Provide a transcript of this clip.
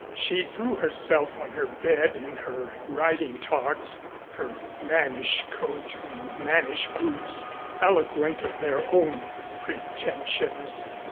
She threw herself on her bed in her riding togs, her mannish coat and mannish boots, eloquent of their own pretensions.